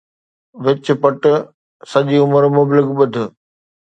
وڃ پٽ، سڄي عمر مبلغ ٻڌ